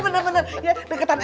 deketan aja deketan